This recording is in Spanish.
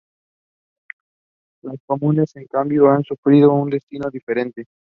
Las comunes en cambio han sufrido un destino diferente.